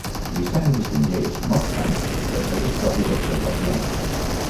Vincent distingeix, no obstant, les seves pròpies observacions.